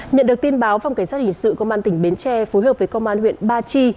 nhận được tin báo phòng cảnh sát hình sự công an tỉnh bến tre phối hợp với công an huyện ba chi